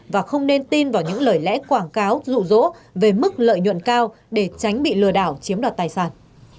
và không nên tin vào những lời lẽ quảng cáo rụ rỗ về mức lợi nhuận cao để tránh bị lừa đảo chiếm đoạt tài sản